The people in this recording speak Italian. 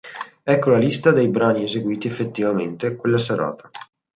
Ecco la lista dei brani eseguiti effettivamente quella serata